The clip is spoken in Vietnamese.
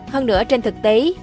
hơn nữa trên thực tế